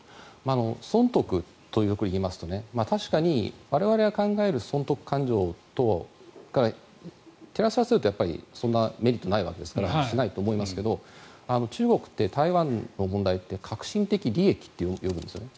損得というふうに言いますと確かに我々が考える損得勘定からするとそんなメリットはないわけですからしないと思いますが中国って台湾の問題を核心的利益と呼ぶんですね。